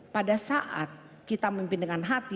pada saat kita memimpin dengan hati